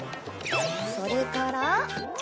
それから。